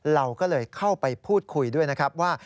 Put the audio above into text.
เราก็เลยเข้าไปพูดคุยด้วยนะครับว่า